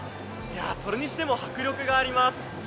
それにしても迫力があります。